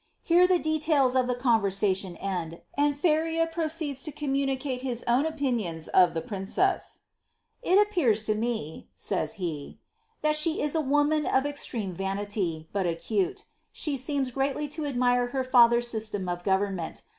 Here the details of the conversation end, and Feria proceeds to oommunicate his own opinion of the princess.' ^* It appears to me,'^ ■ys he,' ^that she is a woman of extreme vanity, but acute. She meam gmtly to admire her father's system of government.